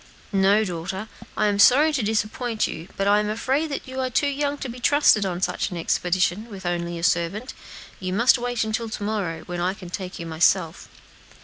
"No, daughter; I am sorry to disappoint you, but I am afraid you are too young to be trusted on such an expedition with only a servant. You must wait until to morrow, when I can take you myself."